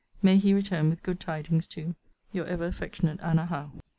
May he return with good tidings to Your ever affectionate ANNA HOWE.